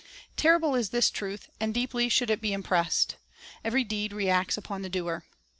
3 Terrible is this truth, and deeply should it be im pressed. Every deed reacts upon the doer.